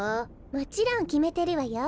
もちろんきめてるわよ